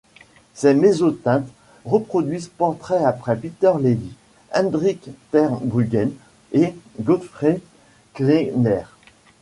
Ses mezzotintes reproduisent portraits après Peter Lely, Hendrick ter Brugghen et Godfrey Kneller.